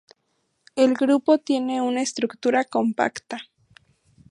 El grupo tiene una estructura compacta.